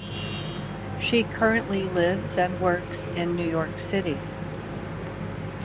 She currently lives and works in New York City.